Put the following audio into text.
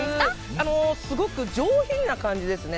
すごく上品な感じですね。